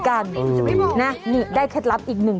อยู่นี่หุ่นใดมาเพียบเลย